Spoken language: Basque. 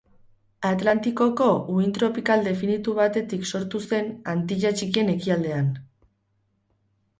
Atlantikoko uhin tropikal definitu batetik sortu zen, Antilla Txikien ekialdean.